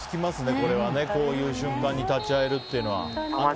こういう瞬間に立ち会えるというのは。